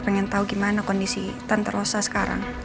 pengen tau gimana kondisi tante rosa sekarang